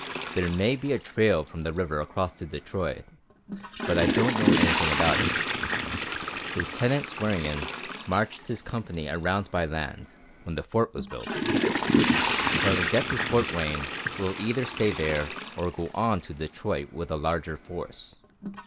There may be a trail from the river across to Detroit, but I don't know anything about it. Lieutenant Swearingen marched his company around by land, when the Fort was built. When we get to Fort Wayne, we'll either stay there, or go on to Detroit with a larger force.